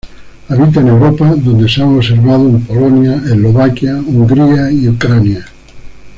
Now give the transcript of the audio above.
Habita en Europa, donde se han observado en Polonia, Eslovaquia, Hungría, y Ucrania.